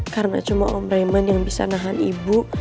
karena cuma om raymond yang bisa nahan ibu